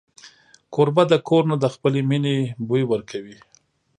کوربه د کور نه د خپلې مینې بوی ورکوي.